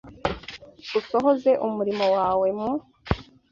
usohoze umurimo wawe mu